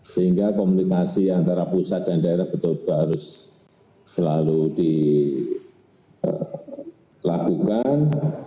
sehingga komunikasi antara pusat dan daerah betul betul harus selalu dilakukan